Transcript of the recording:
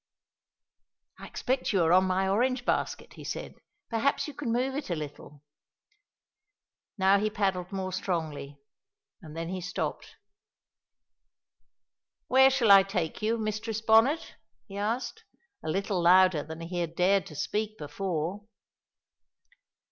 "I expect you are on my orange basket," he said; "perhaps you can move it a little." Now he paddled more strongly, and then he stopped. "Where shall I take you, Mistress Bonnet?" he asked, a little louder than he had dared to speak before.